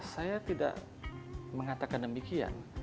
saya tidak mengatakan demikian